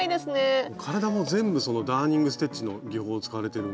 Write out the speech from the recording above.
体も全部そのダーニングステッチの技法使われてるんで。